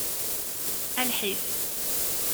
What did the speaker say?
A lḥif.